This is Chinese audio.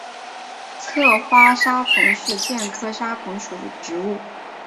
侧花沙蓬是苋科沙蓬属的植物。